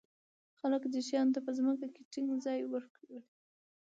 خلک دې شیانو ته په ځمکه کې ټینګ ځای ورکړ.